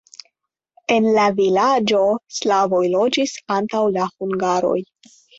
En la vilaĝo slavoj loĝis antaŭ la hungaroj.